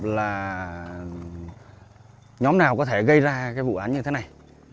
là nhóm nào có thể gây ra cái vụ án như thế này